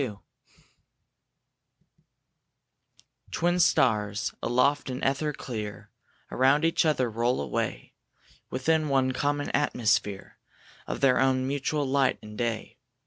A HOPE Twin stars, aloft in ether clear, Around each other roll alway, Within one common atmosphere Of their own mutual light and day.